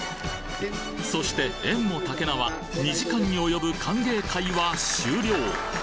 そして、えんもたけなわ、２時間に及ぶ歓迎会は終了。